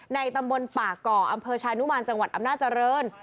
ตำบลป่าก่ออำเภอชานุมานจังหวัดอำนาจริง